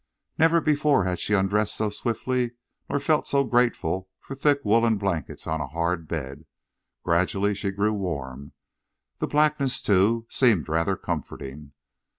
Never before had she undressed so swiftly nor felt grateful for thick woollen blankets on a hard bed. Gradually she grew warm. The blackness, too, seemed rather comforting.